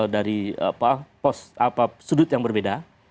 dari sudut yang berbeda